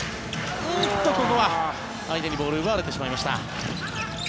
ここは相手にボールを奪われてしまいました。